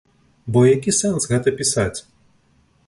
Бо які сэнс гэта пісаць?